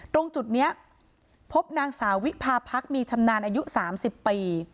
ตรงจุดนี้พบนางสาววิพาพักมีชำนาญอายุ๓๐ปี